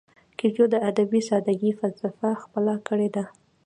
کویلیو د ادبي ساده ګۍ فلسفه خپله کړې ده.